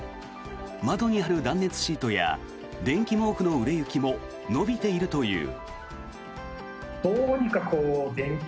窓に貼る断熱シートや電気毛布の売れ行きも伸びているという。